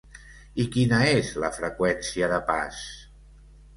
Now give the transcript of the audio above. I quina és la freqüència de pas?